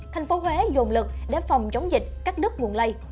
thành phố huế dồn lực để phòng chống dịch các đất nguồn lây